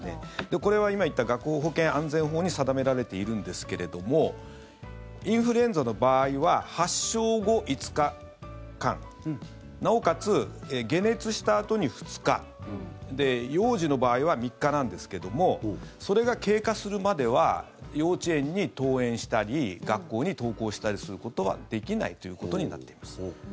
これは今言った学校保健安全法に定められているんですけれどもインフルエンザの場合は発症後５日間なおかつ解熱したあとに２日幼児の場合は３日なんですけどもそれが経過するまでは幼稚園に登園したり学校に登校したりすることはできないということになっています。